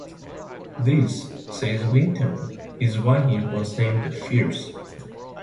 This, says Wyntoun, is why he was named the "Fierce".